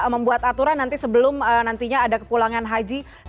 membuat aturan nanti sebelum nantinya ada kepulangan haji